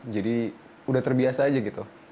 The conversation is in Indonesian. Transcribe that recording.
jadi udah terbiasa aja gitu